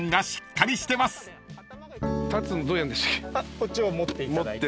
こっちを持っていただいて。